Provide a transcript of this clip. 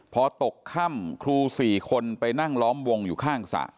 พอตกค่ำครู๔คนไปนั่งล้อมวงอยู่ข้างสระ